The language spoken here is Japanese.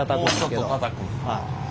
もうちょっとたたく。